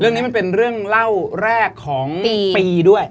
เรื่องนี้มันเป็นเรื่องเล่าแรกของปีด้วย